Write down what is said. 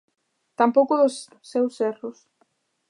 Tampouco dos seus erros.